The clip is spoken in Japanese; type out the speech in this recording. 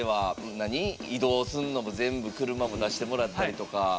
移動すんのも全部車も出してもらったりとか。